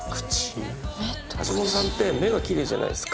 橋本さんって目が奇麗じゃないですか。